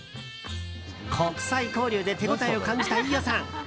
国際交流で手応えを感じた飯尾さん。